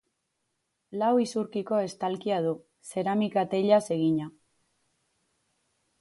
Lau isurkiko estalkia du, zeramika-teilaz egina.